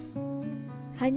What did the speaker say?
masa masa hidup mandiri